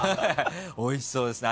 おいしそうですね。